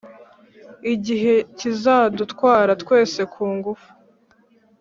igihe kizadutwara twese ku ngufu.